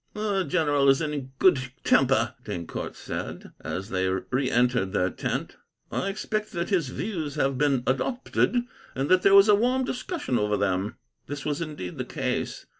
"The general is in a good temper," d'Eyncourt said, as they reentered their tent. "I expect that his views have been adopted, and that there was a warm discussion over them." This was indeed the case.